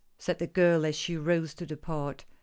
said the girl as she rose to depart.